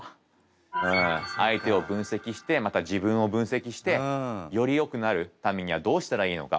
相手を分析してまた自分を分析してよりよくなるためにはどうしたらいいのか。